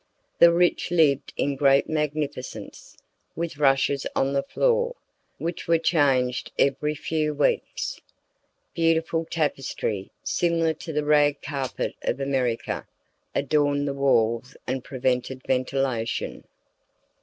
The rich lived in great magnificence, with rushes on the floor, which were changed every few weeks. Beautiful tapestry similar to the rag carpet of America adorned the walls and prevented ventilation.